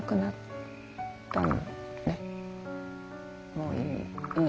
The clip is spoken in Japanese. もういい。